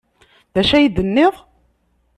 D acu ay d-tenniḍ?